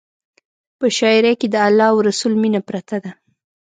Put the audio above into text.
په شاعرۍ کې د الله او رسول مینه پرته ده.